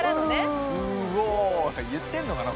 「“ウーオー！”って言ってるのかな？